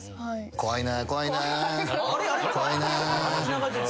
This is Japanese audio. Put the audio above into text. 怖いな」